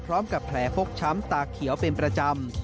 พร้อมกับแผลฟกช้ำตาเขียวเป็นประจำ